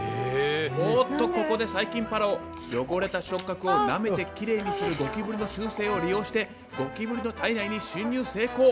おっとここで細菌パラオ汚れた触角をなめてきれいにするゴキブリの習性を利用してゴキブリの体内に侵入成功！